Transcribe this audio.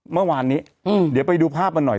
เมื่อวานนี้เดี๋ยวไปดูภาพมันหน่อย